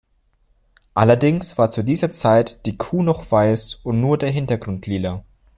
Allerdings war zu dieser Zeit die Kuh noch weiß und nur der Hintergrund lila.